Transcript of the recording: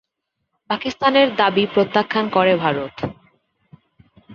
পাকিস্তানের দাবী প্রত্যাখ্যান করে ভারত।